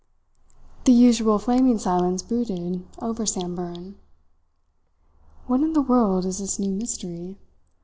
The usual flaming silence brooded over Samburan. "What in the world is this new mystery?"